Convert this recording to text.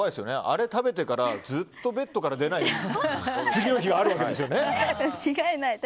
あれを食べてからずっとベッドから出てこない日があるわけですよね。